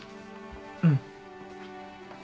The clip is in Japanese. うん。